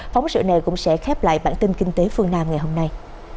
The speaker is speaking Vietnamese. phóng sự này cũng sẽ khép lại bản tin kinh tế phương nam ngày hôm nay